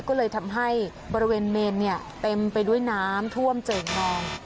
ก็เลยทำให้บริเวณเมนเนี่ยเต็มไปด้วยน้ำท่วมเจิ่งนอง